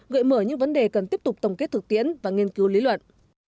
gợi mở những vấn đề cần tiếp tục tổng kết thực tiễn và nghiên cứu lý luận